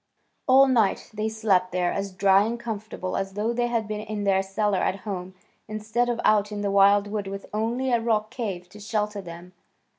All night they slept there as dry and comfortable as though they had been in their cellar at home instead of out in the wild wood with only a rock cave to shelter them.